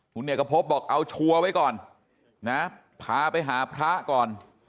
คุณเอกพบบอกเอาชัวร์ไว้ก่อนนะพาไปหาพระก่อน